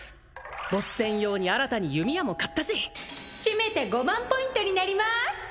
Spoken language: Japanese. ボス戦用に新たに弓矢も買ったししめて５万ポイントになります